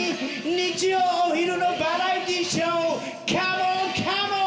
日曜お昼のバラエティーショーカモンカモン！